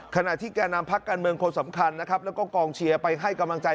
ขณะที่แก่นำพักการเมืองคนสำคัญนะครับแล้วก็กองเชียร์ไปให้กำลังใจ